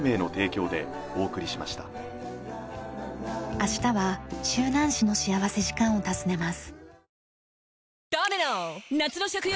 明日は周南市の幸福時間を訪ねます。